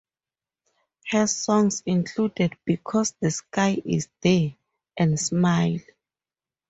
Her songs included "Because the Sky is There" and "Smile".